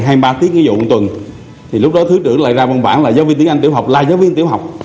giáo viên tiếng anh dạy hai mươi ba tiếng một tuần thì lúc đó thứ trưởng lại ra văn bản là giáo viên tiếng anh tiểu học là giáo viên tiểu học